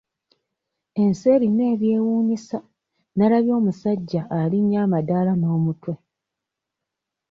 Ensi erina ebyewuunyisa nalabye omusajja alinnya amadaala n'omutwe.